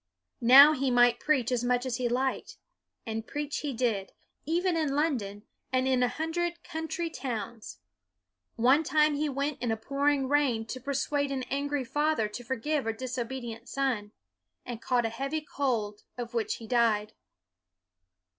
Now he might preach as much as he liked. And preach he did, even in London, and in a hundred country towns. One time he went in a pouring rain to persuade an angry father to forgive a disobedient son, and caught a heavy cold of which he died.